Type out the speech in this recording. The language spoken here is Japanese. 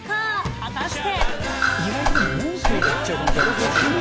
果たして。